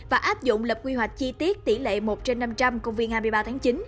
và áp dụng lập quy hoạch chi tiết tỷ lệ một trên năm trăm linh công viên hai mươi ba tháng chín